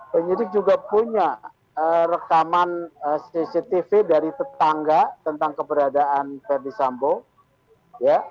penyidik juga punya rekaman cctv dari tetangga tentang keberadaan verdi sambo ya